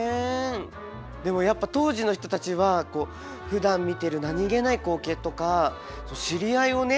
でもやっぱ当時の人たちはふだん見てる何気ない光景とか知り合いをね